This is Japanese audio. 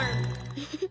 フフフフ。